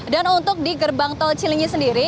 dan untuk di gerbang tol cilinyi sendiri